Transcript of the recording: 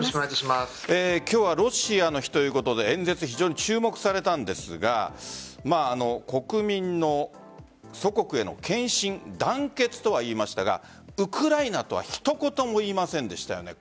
今日はロシアの日ということで演説、非常に注目されたんですが国民の祖国への献身団結とは言いましたがウクライナとは一言も言いませんでしたよね。